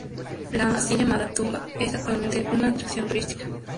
La así llamada "tumba" es actualmente una atracción turística.